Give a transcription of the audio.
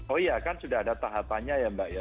oh iya kan sudah ada tahapannya ya mbak ya